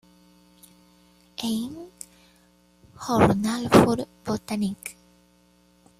Ein Journal für Botanik".